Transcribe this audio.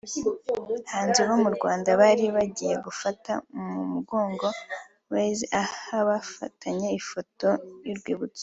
Abahanzi bo mu Rwanda bari bagiye gufata mu mugongo Weasel aha bafatanye ifoto y'urwibutso